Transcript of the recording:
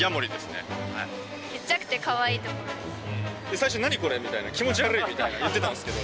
最初「何？これ」みたいな「気持ち悪い」みたいな言ってたんですけど。